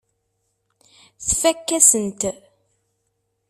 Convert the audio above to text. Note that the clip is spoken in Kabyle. Tfakk-asen-t.